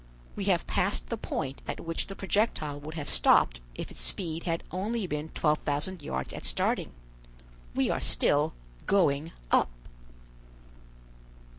We have passed the point at which the projectile would have stopped if its speed had only been 12,000 yards at starting. We are still going up."